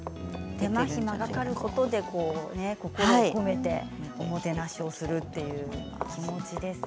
手間暇かかることで心を込めておもてなしをするっていう気持ちですね。